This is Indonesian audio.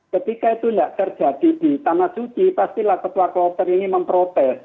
ketika itu tidak terjadi di tanah suci pastilah ketua kloter ini memprotes